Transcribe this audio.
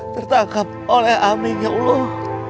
tertangkap oleh amin ya allah